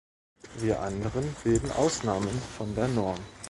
Wir anderen bilden Ausnahmen von der Norm.